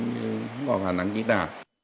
không có khả năng ký trả